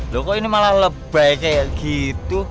loh kok ini malah lebay kayak gitu